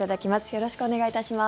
よろしくお願いします。